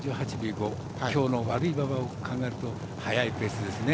５今日の悪い馬場を考えると速いペースですね。